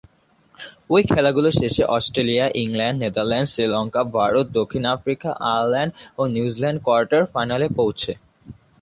ঐ খেলাগুলো শেষে Australia, England, Netherlands, Sri Lanka, Bharat, দক্ষিণ আফ্রিকা, আয়ারল্যান্ড ও নিউজিল্যান্ড কোয়ার্টার ফাইনালে পৌঁছে।